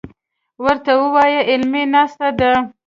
ورته وايه علمي ناسته ده.